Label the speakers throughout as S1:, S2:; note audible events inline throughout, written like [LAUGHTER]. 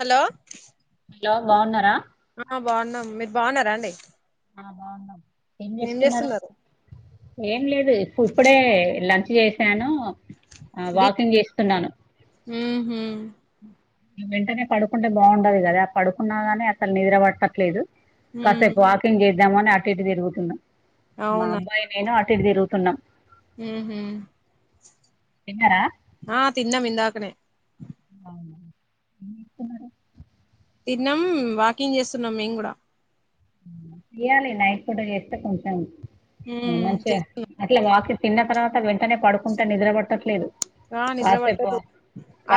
S1: Hello
S2: hello బాగున్నారా
S1: ఆ బాగున్నా మీరు బాగున్నారా అండి
S2: ఆ బాగున్నాం ఏం చేస్తున్నారు ఏం లేదు ఇప్పు ఇప్పుడే లంచ్ చేశాను ఆ వాకింగ్ చేస్తున్నాను
S1: ఊహు
S2: వెంటనే పడుకుంటే బాడదు గాదా పడుకున్నాగానీ అసలు నిద్ర పట్టట్లేదు
S1: ఊ
S2: కాసేపు వాకింగ్ చేద్దామని అటు ఇటు తిరుగుతున్నా మా అబ్బాయి నేను అటు ఇటు తిరుగుతు తిన్నాం
S1: ఉహు
S2: తిన్నారా
S1: ఆ తిన్నాం మందాకనేే
S2: అవునా మీరు తిన్నారా
S1: తిన్నాం వాకింగ్ చేస్తున్నాం మేం కూడా
S2: తీయ్యాలి నైట్ పూట చేస్తే కొంచెం
S1: ఉమ్
S2: మంచిగా
S1: చేస్తున్నాం.
S2: అట్లా వాకింగ్ తిన్న తర్వాత వెంటనే పడుకుంటే నిద్ర పడట్టట్లేదు
S1: ఆ నిద్ర పట్టదు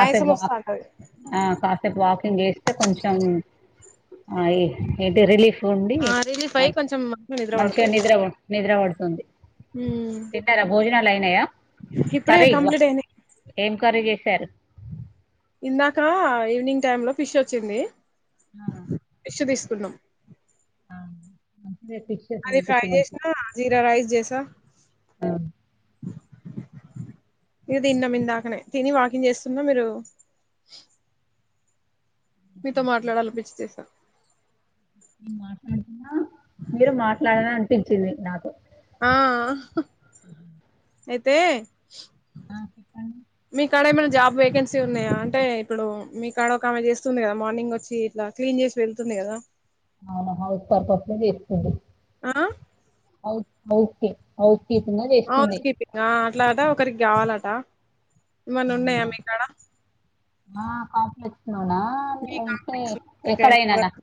S1: ఆయాసం వస్తా
S2: వాక్
S1: అంటది
S2: ఆ కాసేపు వాకింగ్ చేస్తే కొంచెం ఆ ఏ ఏంటి రిలీఫ్ ఉండి
S1: ఆ రిలీఫ్
S2: మన్
S1: అయి కొంచెం నిద్ర
S2: మంచిగా
S1: పడుతది
S2: నిద్ర నిద్ర పడుతుంది తిన్నార భోజనాాలైనా
S1: ఇప్పుడే
S2: కర్రీ వా
S1: కంప్లీట్ అయింది
S2: ఏం కర్రీ చెస్ సారే
S1: ఇందాక ఈవినింగ్ టైమ్ లో ఫిష్ వచ్చింది
S2: ఆ
S1: కున్నం
S2: ఆ ఆ
S1: అది ఫ్రై చేసినా జీరా రైస్ చేసా ఇవి తిన్నాం ఇందాకనే తిని వాకింగ్ చేస్తున్నా మీరు మీతో మాట్లాడాలనిపించి చేశా
S2: నేను మాట్లాడుతున్నా మీరు మాట్లాడరా అనిపించింది నాకు
S1: ఆ అయితే
S2: ఆ చెప్పండి
S1: మీకాడ ఏమైనా జాబ్ వేకెన్సీ ఉన్నాయా అంటే ఇప్పుడు మీ కాడ ఒక ఆమె చేస్తుంది కదా మార్నింగ్ వచ్చి ఇట్లా క్లీన్ చేసి వెళ్తుంది గదా
S2: అవునా హౌస్ పర్పస్ లో చేస్తుంది
S1: ఆ
S2: హౌస్ హౌస్ కి హౌస్ కీపింగ్ లో చేస్తుంది
S1: ఎట్లాట ఒకరికి కావాలట ఏమన్న ఉన్నాయా
S2: అవునా
S1: మీక్కడ
S2: ఆ కాంప్లెక్స్ లోనా
S1: మీ
S2: అంటే
S1: కాంప్లెక్స్ ఎటైనా
S2: ఎక్కడైనానా
S1: వర్క్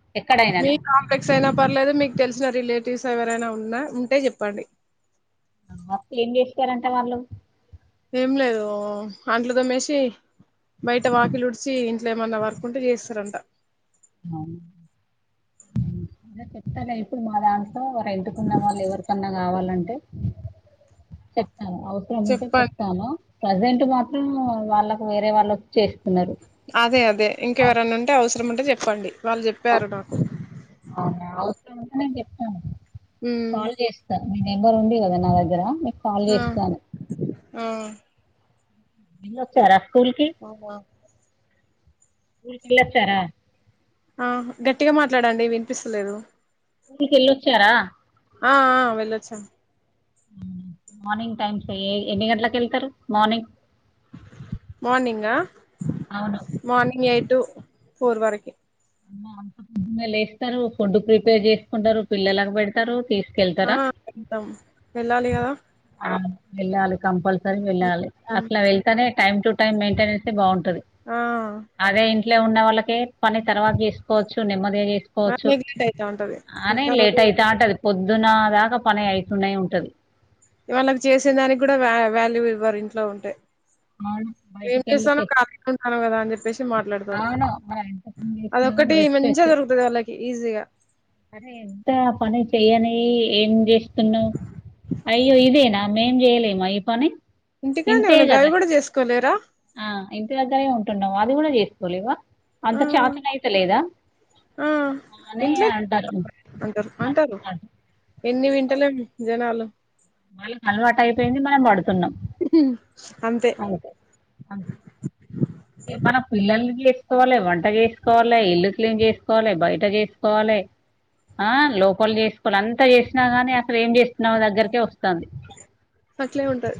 S1: మీ
S2: ఎక్కడైనానా
S1: కాంప్లెక్స్ అయినా పర్లేదు మీ తెలిసిన రిలేటివ్స్ ఎవరైనా ఉన్నా ఉంటే చెప్పండి
S2: ఆ ఏం చేస్తారంట వాళ్ళు
S1: ఏం లేదు ఆంట్లు తోమ్మేసి బయట వాకిలి ఉడిచి ఇంట్లో ఏమన్నా వర్క్ ఉంటే చేస్తారంట
S2: అవును ఉ అదే చెప్తాలే ఇప్పుడు మా దాంట్లో రెంట్ కు ఉన్న వాళ్ళు ఎవరికన్నా కావాలంటే చెప్ ఆ అవసరం ఉంటే
S1: చెప్పండి
S2: చెప్తాను ప్రజెంట్ మాత్రం వాళ్ళకు వేరే వాళ్ళు చేస్తున్నారు
S1: అదే అదే
S2: అ-
S1: ఇంకెవరనా ఉంటే అవసరం ఉంటే చెప్పండి వాళ్ళు చెప్పారు నాకు
S2: అట్ల ఉంటే జేప్తాను
S1: ఉమ్
S2: కాల్ జేస్తా నీ నెంబర్ ఉంది గదా నా దగ్గర మీక్ కాల్
S1: ఆ
S2: జేస్తాను
S1: ఆ
S2: వెళ్ళొచ్చారా
S1: [UNINTELLIGIBLE]
S2: స్కూల్ కి ఎళ్ళొచ్చారా
S1: ఆహ గట్టిగా మాట్లాడండి వినిపిస్తలేదు
S2: స్కూల్ కి ఎళ్ళొచ్చారా
S1: ఆ ఆ వెళ్ళొచ్చాన్
S2: మార్నింగ్ టైమ్స్ ఏ ఎన్ని గంటలకి ఎళ్తారు మార్నింగ్
S1: మార్నింగా
S2: అవును
S1: మార్నింగ్ ఎయిట్ టు ఫోర్ వరకె
S2: అమ్మ అంత పొద్దున్నే లెస్తారు ఫుడ్ ప్రిపేర్ జేసుకుంటారు పిల్లలకి పెడతారు తీస్
S1: ఆ వెళ్తాం వెళ్ళాలి కదా
S2: ఆ వెళ్ళాలి కంపల్సరీ వెళ్ళాలి అట్ల వెళ్తానే టైం టు టైం మెయింటెనెన్సే బావుంటది
S1: ఆ
S2: అదే ఇంట్లో ఉన్న వాళ్ళకి పని తర్వాత జేసుకోవచ్చు నెమ్మదిగా జేసుకోవచ్చు
S1: నెగ్లెక్ట్ అయితా ఉంటది
S2: అని
S1: మిగతా
S2: లేట్
S1: రోజు
S2: అయితాంటది పొద్ ద్దున దాగా పని అయితూనే ఉంటది
S1: వాళ్ళకి చేసే దానికి గండా వాల్యూ ఇవ్వరు ఇంట్లో ఉంటే
S2: అవును.
S1: ఏం
S2: బయటికెళ్ళి చే
S1: జేస్తాన్నం కాళీగా ఉంటాన్నం గదా అని జెప్పేసి మాట్లాడు తరు
S2: అవును. మనం ఎంత పని జేసినా గాని
S1: అదొక్కటి మంచిగా
S2: రెస్పెక్ట్
S1: దొరుకుతుది వాళ్ళకి ఈజీగా
S2: అరే ఎంత పని చెయని ఏం జేస్తున్నావ్ అయ్యో ఇదేనా మేం జేయలేమా ఈ పని
S1: ఇంటికానే
S2: ఇంతే
S1: ఉన్న గవి
S2: గదా
S1: కూడా చేసుకోలేరా
S2: ఆ ఇంటి దగ్గరే ఉంటు న్నావ్ అది గూడా జేసుకోలేవా అంత
S1: ఆ
S2: చాతనైతలేద
S1: ఆ
S2: అని
S1: ఇంట్లో
S2: అంటారు
S1: అంటారు అంటారు ఎన్ని వింటలేం జనాలు
S2: వాళ్ళకు అల్వాటైపోయింది మనం బడు తున్నాం
S1: అంతే
S2: అంతే మనం పిల్లల్ని జేసుకోవాలె వంట జేసుకోవాలె ఇల్లు క్లీన్ జేసుకోవాలె బయట జేసుకోవాలె ఆ లోపల జెసుకోని అంత జేసినా గాని అస్సలు ఏం జేసినావ్ దగ్గరకే వస్తాంది
S1: అట్లే ఉంటది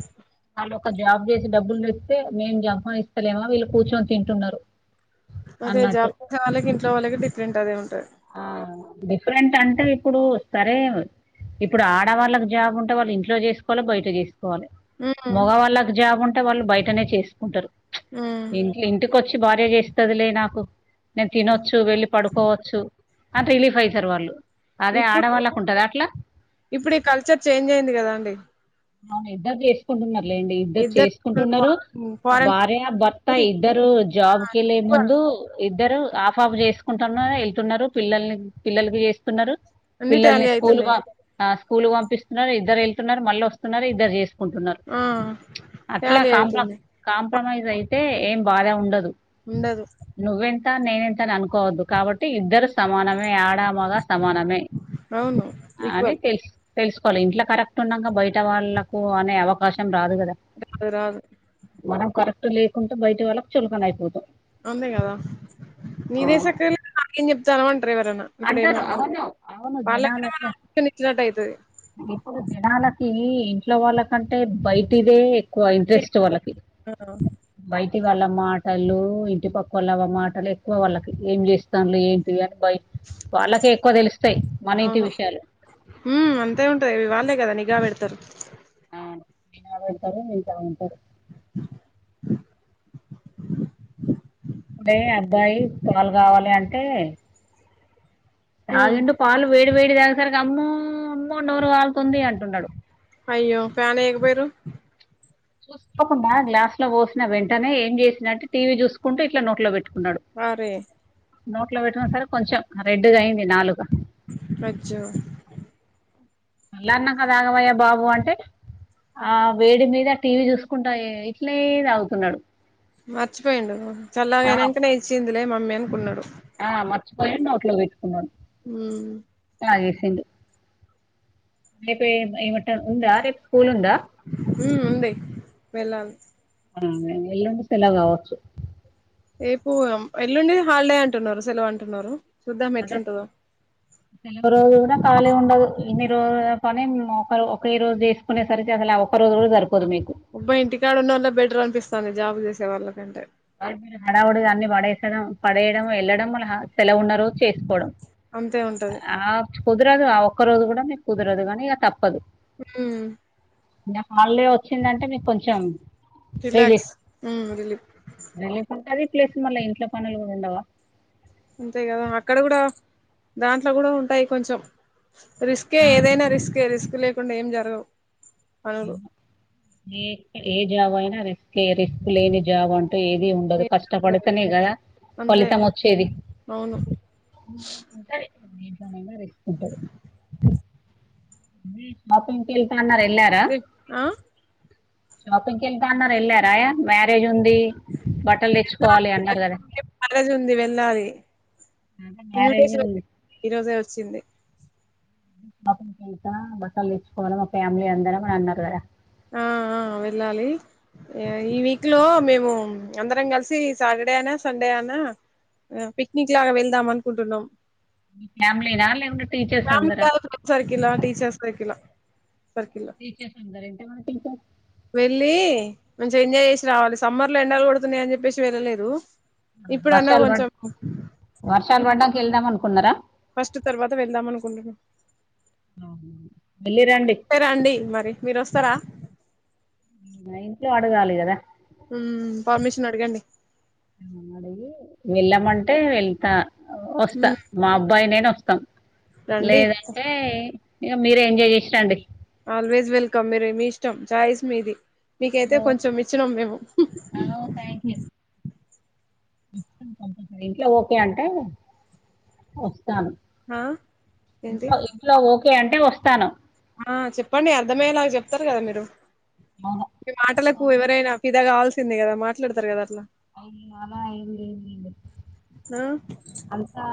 S2: ఇప్పుడొక జాబ్ జేసి డబ్బులు దెత్తే మేం జంపాదిస్తలేమ వీళ్ళు కూర్చొని తింటున్నారు
S1: ఒసేయ్
S2: అన్నట్టు
S1: జాబ్ చేసే వాళ్ళకి ఇంట్లో ఉండే వాళ్ళకి డిఫరెంట్ అదే ఉంటది.
S2: ఆ డిఫరెంట్ అంటే ఇప్పుడు సరే ఇప్పుడు ఆడవాళ్ళకి జాబ్ ఉంటే వాళ్ళు ఇంట్లో జేసుకోల్ల బయట జేస్ వాలి
S1: ఉమ్
S2: మగ వాళ్ళకి జాబు ఉంటే వాళ్ళు బయటనే చేసుకుంటారు
S1: ఉమ్
S2: ఇ ఇంటికొచ్చి భార్య జేస్తదిలే నాకు నేను తినొచ్చు వెళ్ళి పడుకోవచ్చు అన్ రిలీఫ్ అయితారు వాళ్ళు అదే
S1: ఇప్పుడు
S2: ఆడవాళ్ళకు ఉంటదా అట్లా
S1: ఇప్పుడు ఈ కల్చర్ చేంజ్ అయింది గదా అండి
S2: ఆ ఇద్దరు జేసుకుంటున్నారు లేండి ఇద్దరు చేసుకుంటున్నారు
S1: ఫారెన్ ఫారెన్
S2: భార్య బర్తా
S1: కంట్రీ
S2: ఇద్దరు
S1: ఆ!
S2: జాబ్ కెళ్లే
S1: ఈక్వల్
S2: ముందు ఇద్దరు ఆఫ్ ఆఫ్ చేసుకుంటాన్నారు ఎళ్తున్నారు పిల్లల్ని పిల్లలకి జేస్తున్నారు
S1: అన్ని
S2: పిల్లల్ని
S1: టాలీ
S2: స్కూల్
S1: అయితున్నాయి
S2: వా ఆ స్కూల్ కి పంపిస్తున్నారు ఇద్దరు వెళ్తున్నారు మళ్ళీ వస్తున్నారు ఇద్దరు జేస్ కుంటున్నారు
S1: ఆ
S2: అట్లా
S1: టాలీ
S2: కాంప్ర
S1: అయితుంది
S2: కాంప్రమైజ్ అయితే ఏం బాధ ఉండదు
S1: ఉండదు
S2: తే నేనేంత అని అనుకోవద్దు కాబట్టి ఇద్దరు సమానమే ఆ ఆడ మగా సమానమే
S1: అవును
S2: అని
S1: ఈక్వల్
S2: తెల్స్ తెల్సుకోల్ల ఇంట్లో కరెక్ట్ ఉన్నంగ బయట వాళ్ళలకు అనే అవకాశం రాదు గద
S1: రాదు రాదు
S2: కరెక్ట్ లేకుండా బయట వాళ్ళకు చులకన అయిపోతం
S1: అంతే గదా నీదే సక్కగ లేదు నాకేం జెప్తాన్నావ్ అం ఎవరన్నా ఇప్పుడు
S2: అంటారు
S1: ఏమన్నా
S2: అవును అవును
S1: వాళ్ళకి
S2: జనాలు
S1: కూడా మనం
S2: అట్లా
S1: ఆలోచన ఇచ్చినట్టు అయితది.
S2: ఇప్పుడు జనాలకి ఇంట్లో వాళ్ళకంటే బయటి దే ఎక్కువ ఇంట్రెస్ట్ వాళ్ళకి
S1: ఆ
S2: బయ్ ఇంటి వాళ్ళ మాటలు ఇంటి పక్క వాళ్ళ మాటలు ఎక్కువ వాళ్ళకి ఏం చేస్తాన్లు ఏంటివి? అని బయ్ వాళ్ళకే ఎక్కువ తెలుస్తాయి. మన ఇంటి
S1: అవును
S2: విషయాలు
S1: ఉమ్ అంతే ఉంటది వాళ్ళే కదా నిఘా వెడతరు.
S2: నిఘా వెడతరు ఇంట ఉంటారు. ఇప్పుడే అబ్బాయి పాలు కావాలి అంటే
S1: ఉమ్
S2: తాగిండు పాలు వేడి వేడి దాగసరిక్ అమ్మో అమ్మో నీరు కాలు కొంది అటుండు ఆడు.
S1: అయ్యో ఫ్యాన్ ఎయకపోయిర్రు.
S2: చూసుకోకుండా గ్లాస్ లో పోసిన వెంటనే ఏం చేసిండంటే టీవీ చూసుకుంటూ ఇట్లా నోట్లో పెట్టు
S1: అరే
S2: నోట్ లో పెట్టికొనే సరే కొంచెం రెడ్ గా అయింది నాలుక
S1: అజ్జో
S2: అల్ల అన్నా కదా ఆగమయ్యి బాబు అంటే ఆ వేడి మీద ఆ టీవీ చూసుకుంటా ఇట్లే తాగుతున్నాడు.
S1: మర్చిపోయిండు
S2: ఆ,
S1: చల్లాగాయినాంకనే ఇచ్చిందిలే మమ్మీ అనుకున్నాడు.
S2: ఆ మర్చిపోయి నోట్లో పెట్టుకున్నాడు.
S1: హ్మ్
S2: ఆ ఎషిండు ఏప్ రేపు ఎంవుంటది ఉందా రేప్
S1: ఉమ్ ఉంది వెళ్ళాలి.
S2: ఉమ్ ఉ ఎల్లుండి సెలవ్ కావచ్చు.
S1: రేపు ఎల్లుండి హాలిడే అంటున్నారు. సెలవు అంటున్నారు. చూద్దాం
S2: అదే
S1: ఎట్లుంటదో
S2: సెలవు రోజు కూడా ఖాళీ ఉండదు. ఇన్ని రోజుల పని ఒక రో ఒకే రోజు చేసుకునేసరికి అసలు ఆ ఒక రోజు కూడా జరిపోదు మీకు
S1: ఉబ్బయి ఇంటికాడ ఉన్న వాళ్ల బెటర్ అనిపిస్తంది. జాబ్లు చేసే వాళ్ళకంటే
S2: హడావుడుగా అన్ని పడేస్తడం పడేయడం వెళ్ళడం వల్ల హా సెలవున్నా రోజు చేసుకోవడం
S1: అంతే ఉంటది
S2: ఆఫ్ కుదరదు ఆ ఒక్క రోజు కూడా మీకు కుదరదు కానీ ఇక తప్పదు.
S1: హ్మ్
S2: ఇక హాలిడే వచ్చిందంటే మీకు కొంచెం relief
S1: relax um relief
S2: relief ఉంటది ప్లేస్ మళ్ళీ ఇంట్లో పనులు కూడా ఉండవా!
S1: అంతే కదా అక్కడ కూడా దాంట్లో కూడా ఉంటాయి కొంచెం రిస్కే ఏదైనా రిస్కే రిస్క్ లేకుండా ఏం జరగవు. పనులు
S2: ఏ ఏ జాబైన రిస్కే రిస్క్ లేని జాబ్ అంటూ ఏది ఉండదు. కష్టపడితేనే కదా
S1: అంతే
S2: ఫలితం వచ్చేది.
S1: అవును
S2: ఉంటది దేంట్లోనైనా రిస్క్ ఉంటది. షాపింగ్ కెళ్తాన్నారు ఎల్లారా?
S1: రే ఆ
S2: షాపింగ్ కెళ్తా అన్నారా? ఎల్లారయ మ్యారేజ్ ఉంది. ది బట్టలు తెచ్చుకోవాలి అన్నారు కదా
S1: మ్యారేజ్ ఉంది వెళ్ళాలి
S2: మ్యారేజ్
S1: ఇన్విటేషన్
S2: ఉంది.
S1: ఈ వచ్చింది.
S2: పాపం బుట్ట బట్టలు తెచ్చుకోవాలి మా ఫ్యామిలీ అందరం అని అన్నారు కదా!
S1: ఆ అ వెళ్ళాలి ఏ ఈ వీక్ లో మేము అందరం కలిసి సాటర్డే అయినా సండే అనా నా అ పిక్నిక్ లాగా వెళ్దాం అనుకుంటున్నాం.
S2: మీ ఫ్యామిలీనా లేకుంటే టీచర్స్ అందరా
S1: బాగుంటాయి ఫ్రెండ్ సర్కిళ్ల ఆ టీచర్ సర్కిళ్ల
S2: టీచర్స్ ఉండరెంటుగా
S1: వెళ్ళి మన్ ఎంజాయ్ చేసి రావాలి. సమ్మర్ లో ఎండాలు కొడుతున్నాయని జెప్పేసి వెళ్ళలేదు. ఇప్పుడు అన్న
S2: వర్షాలు పడ్
S1: కొంచెం
S2: వర్షాలు పడ్డాక వెళ్దాం అనుకున్నారా
S1: ఫస్ట్ తర్వాత వెళ్దాం అనుకుంటున్నం
S2: వెళ్ళిరండి
S1: సరే అండి మరి మీరు వస్తరా
S2: ఇంట్లో అడగాలి కదా
S1: ఉ పర్మిషన్ అడగండి
S2: మంటే వెళ్తా వస్తా
S1: మ్మ్
S2: మా అబ్బాయి నేను వస్తం
S1: రండి
S2: లేదంటే ఇక మీరే ఎంజాయ్ చేసరండి
S1: ఆల్వేస్ వెల్కమ్ మీరు మీ ఇష్టం ఛాయిస్ మీది మీకైతే కొంచెం ఇచ్చినాం మేము
S2: ఇంట్ల ఓకే అంటే వస్ స్తాను
S1: ఆ ఏంటి
S2: ఇంట్లో ఓకే అంటే వస్తాను
S1: ఆ చెప్పండి అర్థమయ్యేలాగా చెప్తారు కదా మీరు
S2: అవును.
S1: మీ మాటలకు
S2: చెప్తాను.
S1: ఎవరైనా పిదా కావాల్సిందే కదా మాట్లాడతారు కదా అట్లా
S2: అయ్యో అలా ఏం లేదు లెండి
S1: ఆ
S2: అంతా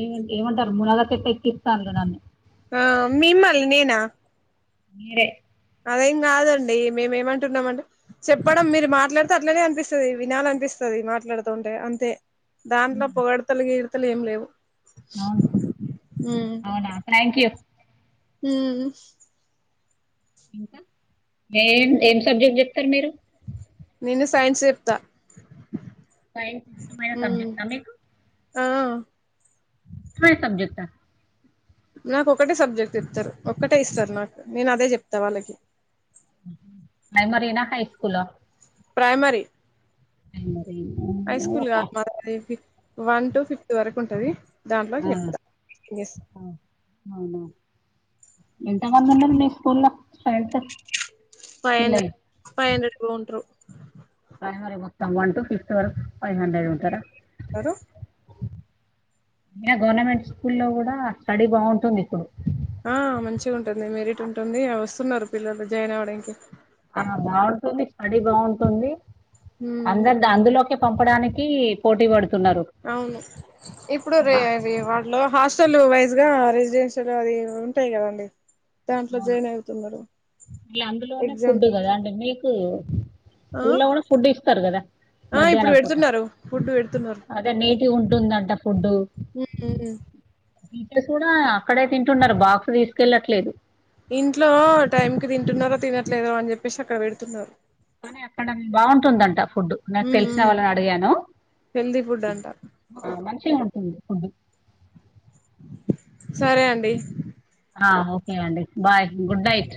S2: ఏ ఏమంటారు ములాగా చెట్ట ఎక్కిస్తాండ్లు నన్ని
S1: ఆ మిమ్మల్ని నేనా
S2: మీరే
S1: అదేం కాదండి మేమ ఏమంటున్నాం అంటే చెప్పడం మీరు మాట్లాడితే అట్లనే అనిపిస్తది వినాల అనిపిస్తది తది మాట్లాడుతూ ఉంటే అంతే దాంట్లో
S2: హ్మ్.
S1: పొగడతలు గీడతలు ఏం లేవు
S2: అవును అవునా థ్యాంక్ యూ
S1: ఊ
S2: ఇంకా ఏం ఏం సబ్జెక్ట్ చెప్తరు మీరు
S1: నేను సైన్స్ చెప్తా
S2: సైన్స్ ఇష్టమైన
S1: ఉమ్
S2: సబ్జెక్ట్ ఆ మీకు
S1: ఆ
S2: ట్రై సబ్జెక్ట
S1: నాకు ఒక్కటే సబ్జెక్ట్ చెప్తారు ఒక్కటే ఇస్తారు నాకు నేను అదే చెప్తా వాళ్ళకి
S2: ప్రైమరీనా హై స్కూల్
S1: ప్రైమారి
S2: ఐమో
S1: హై స్కూల్ కాదు మాది three fif one to fifth వరకు ఉంటది దాంట్లో
S2: ఆ!
S1: చెప్తా ఎస్
S2: ఎంత మంది ఉన్నారు మీ స్కూల సైడ్ తె
S1: five hundred five hundred above ఉంట్రు
S2: అదే మరి మొత్తం వన్ టు ఫిఫ్త్ వరకు ఫైవ్ హండ్రెడ్ ఉంటర ఇగ గవర్నమెంట్ స్కూలో కూడా స్టడీ బాగుంటుంది ఇప్పుడు
S1: ఆ మంచిగా ఉంటుంది మెరిట్ ఉంటుంది వస్తున్నారు పిల్లలు జాయిన్ అవ్వనికి
S2: ఆ బాగుంటుంది స్టడీ బాగుంటుంది
S1: ఉమ్
S2: అందరు దాం అందులో ఇగ పంపడానికి పోటీ పడు
S1: అవును ఇప్పుడు రే రేవాడ్ లో హాస్టల్ వైజ్ గా రెసిడెన్షియల్ అది ఉంటాయి కదండి దాంట్లో
S2: అవును
S1: జాయిన్ అవుతున్నారు
S2: ఇగ అందులోనే
S1: ఎగ్జామ్
S2: ఫుడ్ కదా అండీ మీకు
S1: ఆ
S2: స్కూల కూడా ఫుడ్ ఇస్తారు కదా
S1: ఆ ఇప్పుడు
S2: మధ్యాహ్నం పూట
S1: పెడుతున్నారు ఫుడ్ పెడుతున్నారు
S2: అదే నీటిగుంటుందంట ఫుడ్డు
S1: ఉమ్
S2: టీచస్ కూడా అక్కడే తింటున్నారు బాక్స్ తీసుకెళ్ళట్లేదు
S1: ఇంట్లో టైం కి తింటున్నారో తినట్లేదో అని చెప్పేసి అక్కడ పెడుతున్నరు
S2: కానీ అక్కడ బాగుంటుందంట ఫుడ్ నాకు
S1: ఉమ్
S2: తెలిసిన
S1: ఉమ్
S2: వాళ్ళని అడిగాను
S1: హెల్దీ ఫుడ్ అంట
S2: అ ఆ మంచిగుంటుంది ఫుడు
S1: సరే అండి
S2: ఆ ఓకే అండి బాయ్ గుడ్ నైట్